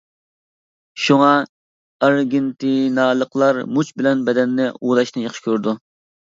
شۇڭا، ئارگېنتىنالىقلار مۇچ بىلەن بەدەننى ئۇۋۇلاشنى ياخشى كۆرىدۇ.